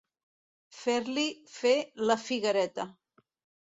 Fer-li fer la figuereta.